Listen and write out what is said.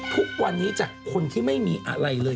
ทุกวันนี้จากคนที่ไม่มีอะไรเลย